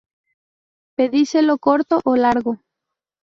Pedicelo corto o largo.